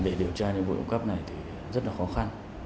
để điều tra những vụ trộm cắp này thì rất là khó khăn